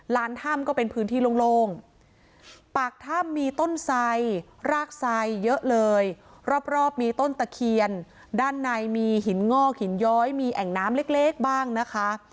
ถ้ำก็เป็นพื้นที่โล่งปากถ้ำมีต้นไสรากไซเยอะเลยรอบมีต้นตะเคียนด้านในมีหินงอกหินย้อยมีแอ่งน้ำเล็กบ้างนะคะ